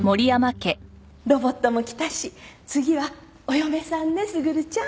ロボットも来たし次はお嫁さんね卓ちゃん。